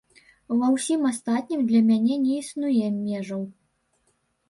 Ва ўсім астатнім для мяне не існуе межаў.